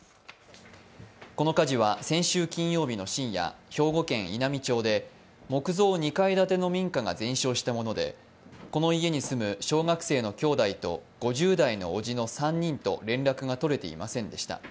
この火事は先週金曜日の深夜、兵庫県稲美町で木造２階建ての民家が全焼したものでこの家に住む小学生のきょうだいと５０代の伯父の３人と連絡が取れていませんでした。